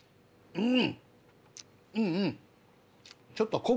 うん。